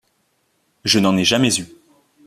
Je n'en ai jamais eu.